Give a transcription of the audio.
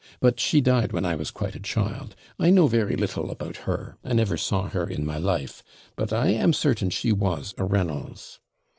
But she died when I was quite a child. I know very little about her. I never saw her in my life; but I am certain she was a Reynolds.'